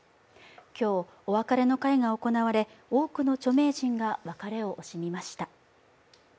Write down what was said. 今日、お別れの会が行われ、多くの著名人が別れを惜しみました。